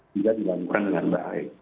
tidak dilakukan dengan baik